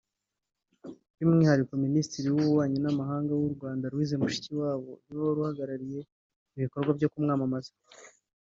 By’umwihariko Minisitiri w’Ububanyi n’amahanga w’u Rwanda Louise Mushikiwabo niwe wari uhagarariye ibikorwa byo kumwamamaza